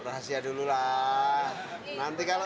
pokoknya di jabatan menteri apa nih